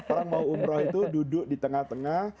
orang mau umroh itu duduk di tengah tengah